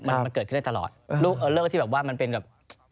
มันเกิดขึ้นได้ตลอดรูปเอิลเลอร์ที่แบบว่ามันเป็นแบบ